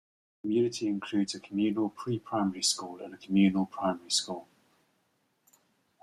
The community includes a communal pre-primary school and a communal primary school.